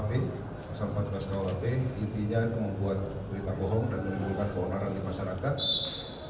pasal empat belas kuhp intinya itu membuat berita bohong dan menimbulkan keonaran di masyarakat